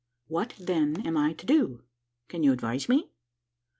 "What, then, am I to do? Can you advise me?"